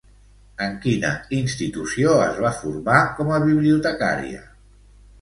En quina institució es va formar com a bibliotecària?